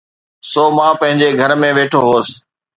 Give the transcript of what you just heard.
سو مان پنهنجي گهر ۾ ويٺو هوس.